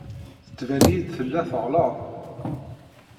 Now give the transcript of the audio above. Yettban-iyi-d tella teɣleḍ.